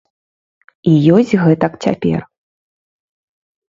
І ёсць гэтак цяпер.